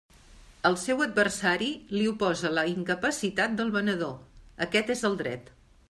El seu adversari li oposa la incapacitat del venedor; aquest és el dret.